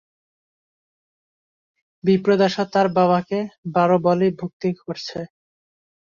বিপ্রদাসও তার বাবাকে বড়ো বলেই ভক্তি করেছে।